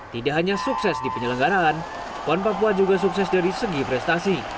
tidak hanya sukses di penyelenggaraan pon papua juga sukses dari segi prestasi